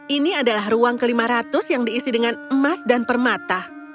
ini adalah ruang ke lima ratus yang diisi dengan emas dan permata